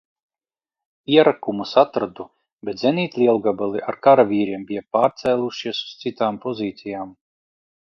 Ierakumus atradu, bet zenītlielgabali ar karavīriem bija pārcēlušies uz citām pozīcijām.